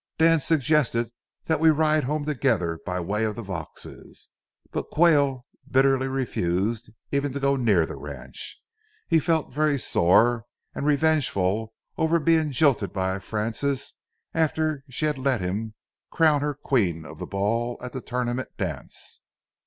Dan suggested that we ride home together by way of the Vauxes'. But Quayle bitterly refused even to go near the ranch. He felt very sore and revengeful over being jilted by Frances after she had let him crown her Queen of the ball at the tournament dance.